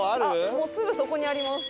もうすぐそこにあります。